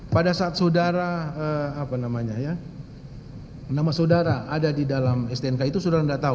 pada saat saudara apa namanya ya nama saudara ada di dalam stnk itu saudara tidak tahu